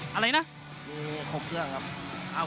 มีครบเครื่องครับ